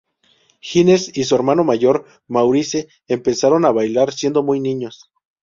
Hines y su hermano mayor Maurice empezaron a bailar siendo muy niños.